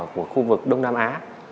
của khu vực đông nam á